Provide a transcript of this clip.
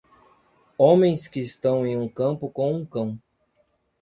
Homens que estão em um campo com um cão.